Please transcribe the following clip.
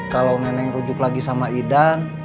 kalau nenek rujuk lagi sama idan